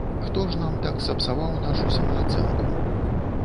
Хто ж нам так сапсаваў нашу самаацэнку?